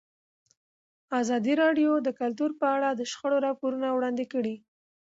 ازادي راډیو د کلتور په اړه د شخړو راپورونه وړاندې کړي.